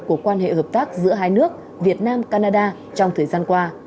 của quan hệ hợp tác giữa hai nước việt nam canada trong thời gian qua